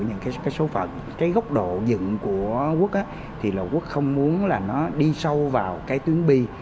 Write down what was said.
có những cái số phận cái góc độ dựng của út á thì là út không muốn là nó đi sâu vào cái tuyến bi